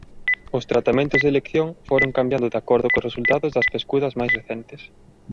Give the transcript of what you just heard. Os tratamentos de elección foron cambiando de acordo cos resultados das pescudas máis recentes.